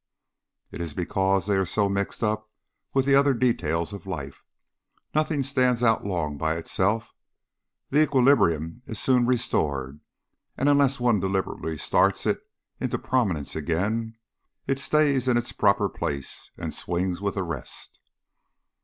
It is because they are so mixed up with the other details of life. Nothing stands out long by itself. The equilibrium is soon restored, and unless one deliberately starts it into prominence again, it stays in its proper place and swings with the rest."